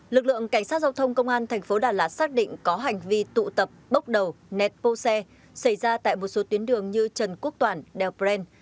lực lượng cảnh sát giao thông công an thành phố đà lạt xác định có hành vi tụ tập bóc đầu nẹt bô xe xảy ra tại một số tuyến đường như trần quốc toản đèo bren